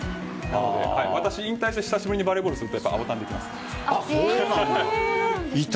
私、引退して久しぶりにバレーボールすると青たん、できます。